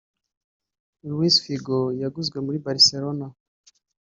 Luіs Fіgо (yaguzwe muri Barcelona)